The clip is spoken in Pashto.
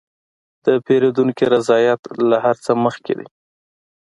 د پیرودونکي رضایت له هر څه مخکې دی.